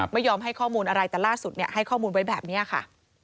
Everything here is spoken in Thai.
ไม่ยอมให้ข้อมูลอะไรแต่ล่าสุดให้ข้อมูลไว้แบบนี้ค่ะ